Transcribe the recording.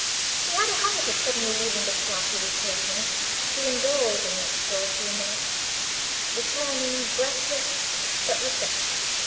He had a habit of suddenly leaving the class he was taking to indulge in it for a few minutes, returning breathless but refreshed.